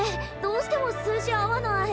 どうしても数字合わない。